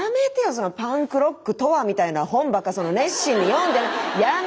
その「パンクロックとは」みたいな本ばっか熱心に読んでやめ。